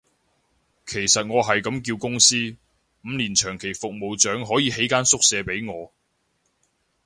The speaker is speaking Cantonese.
其實我係咁叫公司，五年長期服務獎可以起間宿舍畀我